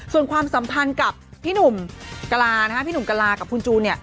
ส่วนความสัมภัณฑ์กับพี่หนุ่มกะลากับคุณจูเนี่ย